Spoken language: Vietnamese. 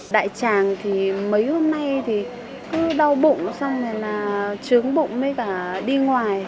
đại tràng thì mấy hôm nay thì cứ đau bụng xong rồi là trướng bụng mới cả đi ngoài